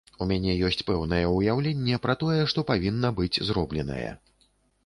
У мяне ёсць пэўнае ўяўленне пра тое, што павінна быць зробленае.